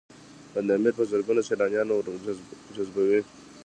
بند امیر په زرګونه سیلانیان ورجذبوي